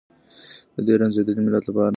د دې رنځېدلي ملت لپاره.